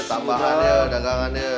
tambahan ya dagangannya